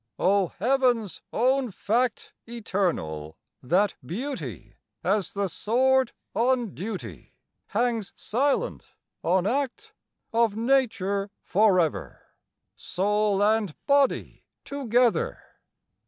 O heaven's own fact Eternal, that beauty, As the sword on duty, Hangs silent on act Of nature forever, Soul and body together!